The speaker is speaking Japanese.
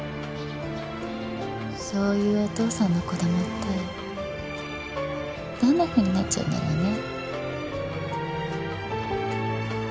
そういうお父さんの子供ってどんなふうになっちゃうんだろうね？